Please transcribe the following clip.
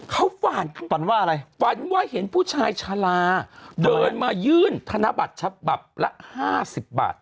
เขาฝันฝันว่าอะไรฝันว่าเห็นผู้ชายชาลาเดินมายื่นธนบัตรฉบับละ๕๐บาท